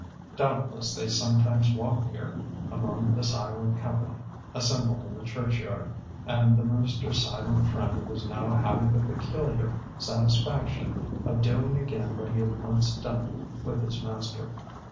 Doubtless they sometimes walked here, among the silent company assembled in the churchyard; and the minister's silent friend was now having the peculiar satisfaction of doing again what he had once done with his master.